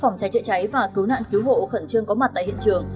phòng cháy chữa cháy và cứu nạn cứu hộ khẩn trương có mặt tại hiện trường